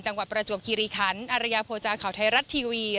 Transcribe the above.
จังหวัดประจบคิริคัณอรัยาโพอยาเขมร์ขวาไทยรัดทีวี